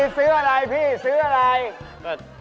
ซื้ออะไรพี่ซื้ออะไร